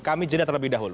kami jadah terlebih dahulu